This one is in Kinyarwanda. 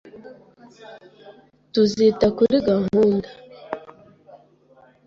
Tuzita kuri gahunda